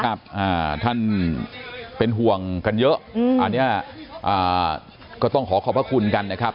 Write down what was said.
ท่านเป็นห่วงกันเยอะอันนี้ก็ต้องขอขอบพระคุณกันนะครับ